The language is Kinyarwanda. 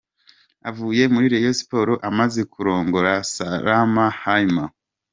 Avuye muri Rayon Sports amaze kurongora Salma Hamyar.